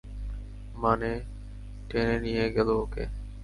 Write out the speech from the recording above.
মানে, টেনে নিয়ে গেলো ওকে।